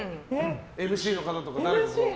ＭＣの方とか。